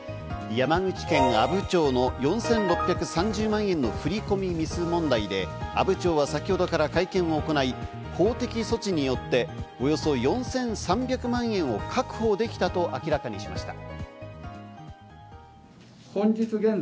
山口県阿武町の４６３０万円の振り込みミス問題で阿武町は先ほどから会見を行い、法的措置によっておよそ４３００万円を確保できたと明らかにしました。